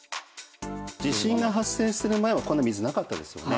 地震が発生する前はこんな水なかったですよね。